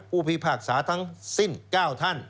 พิพากษาทั้งสิ้น๙ท่าน